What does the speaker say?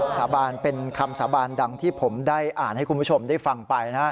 สาบานเป็นคำสาบานดังที่ผมได้อ่านให้คุณผู้ชมได้ฟังไปนะ